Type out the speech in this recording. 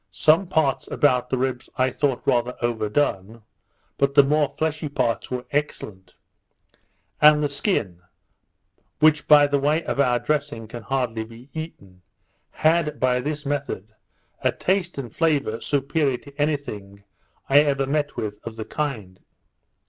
Some parts about the ribs I thought rather overdone, but the more fleshy parts were excellent; and the skin, which by the way of our dressing can hardly be eaten, had, by this method, a taste and flavour superior to any thing I ever met with of the kind.